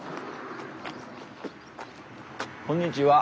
こんにちは。